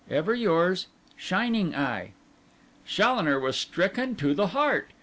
—Ever yours, SHINING EYE.' Challoner was stricken to the heart.